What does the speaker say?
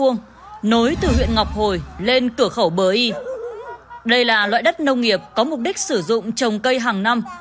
nông nghiệp có mục đích sử dụng trồng cây hàng năm